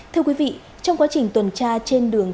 thưa quý vị trong quá trình tuần tra trên đường